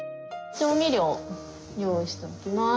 調味料を用意しておきます。